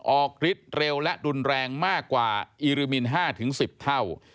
ฤทธิ์เร็วและรุนแรงมากกว่าอีรมิน๕๑๐เท่า